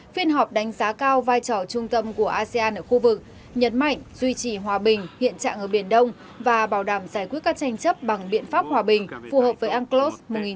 phiên họp đánh giá cao vai trò trung tâm của asean ở khu vực nhấn mạnh duy trì hòa bình hiện trạng ở biển đông và bảo đảm giải quyết các tranh chấp bằng biện pháp hòa bình phù hợp với unclos một nghìn chín trăm tám mươi hai